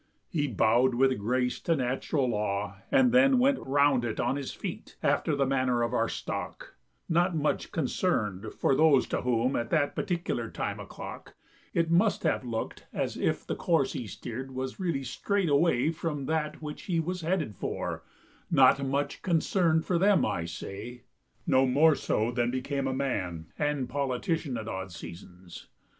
He bowed with grace to natural law, And then went round it on his feet, After the manner of our stock; Not much concerned for those to whom, At that particular time o'clock, It must have looked as if the course He steered was really straight away From that which he was headed for Not much concerned for them, I say; No more so than became a man And politician at odd seasons.